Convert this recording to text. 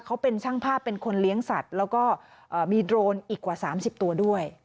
เขาเป็นช่างภาพเป็นคนเลี้ยงสัตว์แล้วก็มีโดรนอีกกว่า๓๐ตัวด้วย